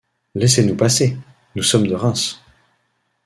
Laissez-nous passer ! nous sommes de Reims.